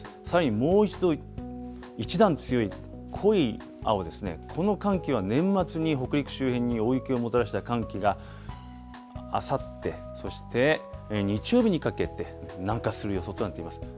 さらにもう一度、１段強い濃い青ですね、この寒気は年末に北陸周辺に大雪をもたらした寒気が、あさって、そして日曜日にかけて南下する予測になっています。